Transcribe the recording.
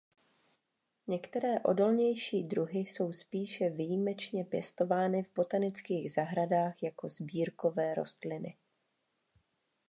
Některé odolnější druhy jsou spíše výjimečně pěstovány v botanických zahradách jako sbírkové rostliny.